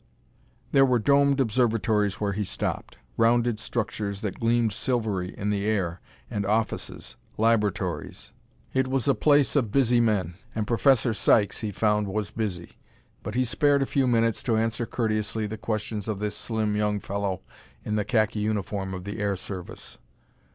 There were domed observatories where he stopped: rounded structures that gleamed silvery in the air; and offices, laboratories: it was a place of busy men. And Professor Sykes, he found, was busy. But he spared a few minutes to answer courteously the questions of this slim young fellow in the khaki uniform of the air service.